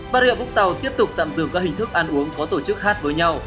bà rịa vũng tàu tiếp tục tạm dừng các hình thức ăn uống có tổ chức hát với nhau